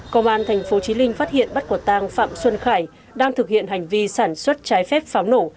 công an thành phố chí linh phát hiện bắt quả tang phạm xuân khải đang thực hiện hành vi sản xuất trái phép pháo nổ